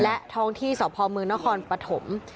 และท้องที่สพเมืองนครปฐม